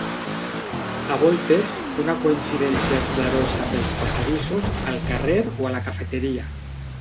A voltes, una coincidència atzarosa pels passadissos, al carrer o a la cafeteria.